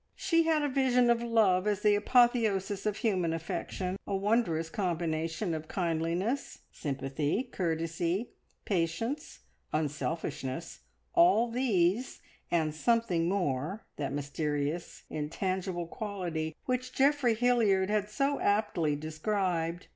She had a vision of love as the apotheosis of human affection, a wondrous combination of kindliness, sympathy, courtesy, patience, unselfishness all these, and something more that mysterious, intangible quality which Geoffrey Hilliard had so aptly described.